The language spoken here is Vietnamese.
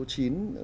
tác phẩm số chín